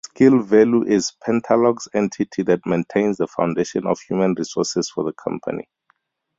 SkillValue is Pentalog's entity that maintains the foundation of human resources for the company.